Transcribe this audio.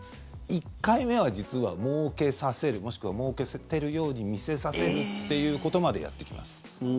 １回目は実は、もうけさせるもしくは、もうけているように見せさせるっていうことまでやってきます。